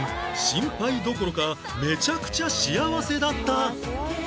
シンパイどころかめちゃくちゃ幸せだった